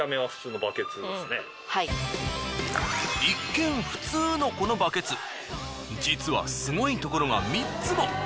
一見普通のこのバケツ実はすごいところが３つも。